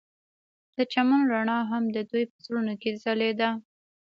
د چمن رڼا هم د دوی په زړونو کې ځلېده.